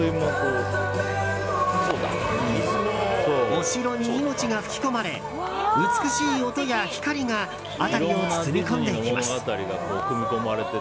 お城に命が吹き込まれ美しい音や光が辺りを包み込んでいきます。